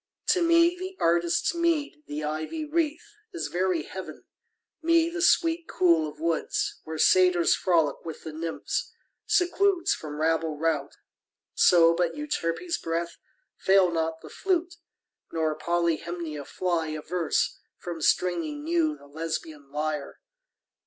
To me the artist's meed, the ivy wreath Is very heaven: me the sweet cool of woods, Where Satyrs frolic with the Nymphs, secludes From rabble rout, so but Euterpe's breath Fail not the flute, nor Polyhymnia fly Averse from stringing new the Lesbian lyre.